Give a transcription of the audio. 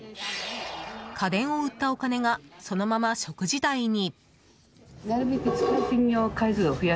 家電を売ったお金がそのまま食事代に。